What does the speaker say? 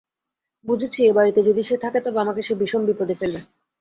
বুঝেছি, এ বাড়িতে যদি সে থাকে তবে আমাকে সে বিষম বিপদে ফেলবে।